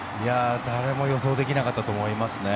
誰も予想できなかったと思います。